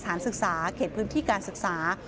สถานศึกษาเขตพื้นที่การศึกษา